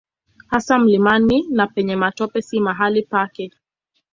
Hasa mlimani na penye matope si mahali pake.